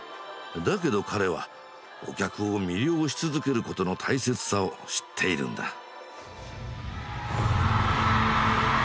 だけど彼はお客を魅了し続けることの大切さを知っているんだ！